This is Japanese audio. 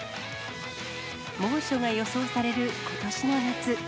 猛暑が予想されることしの夏。